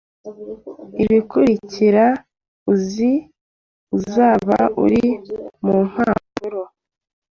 Ibikurikira uzi, uzaba uri mu mpapuro.